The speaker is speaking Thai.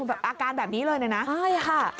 อาการแบบนี้เลยนะใช่ค่ะ